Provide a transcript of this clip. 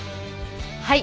はい。